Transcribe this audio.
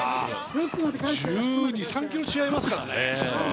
１２１３ｋｇ違いますからね。